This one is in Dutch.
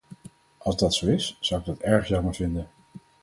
Als dat zo is, zou ik dat erg jammer vinden.